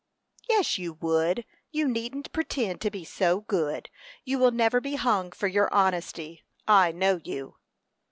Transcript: "Yes, you would! You needn't pretend to be so good. You will never be hung for your honesty. I know you."